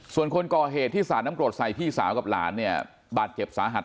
ส่วนคนก่อเหตุที่สาดน้ำกรดใส่พี่สาวกับหลานเนี่ยบาดเจ็บสาหัส